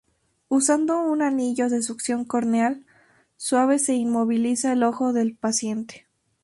Usando un anillo de succión corneal suave se inmoviliza el ojo del paciente.